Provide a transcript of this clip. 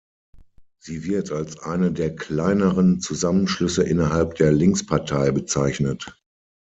Sie wird als eine der kleineren Zusammenschlüsse innerhalb der Linkspartei bezeichnet.